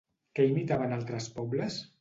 Què imitaven altres pobles?